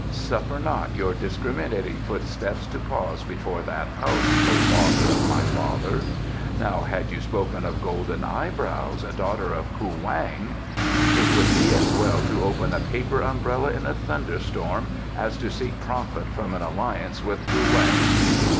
Suffer not your discriminating footsteps to pause before that house, O father of my father! Now had you spoken of Golden Eyebrows, daughter of Kuo Wang " "It would be as well to open a paper umbrella in a thunderstorm as to seek profit from an alliance with Kuo Wang.